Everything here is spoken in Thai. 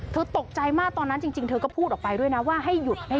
ตกใจมากตอนนั้นจริงเธอก็พูดออกไปด้วยนะว่าให้หยุด